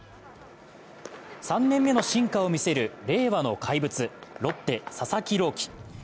３年目の進化を見せる令和の怪物、ロッテ・佐々木朗希。